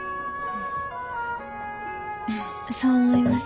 そう思います？